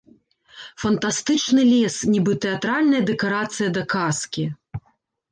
Фантастычны лес, нібы тэатральная дэкарацыя да казкі.